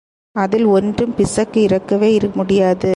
அதில் ஒன்றும் பிசகு இருக்கவே முடியாது.